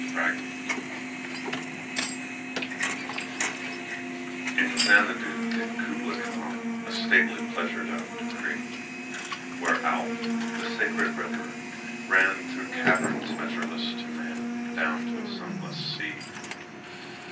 Kubla Khan IN Xanadu did Kubla Khan A stately pleasure dome decree: Where Alph, the sacred river, ran Through caverns measureless to man Down to a sunless sea.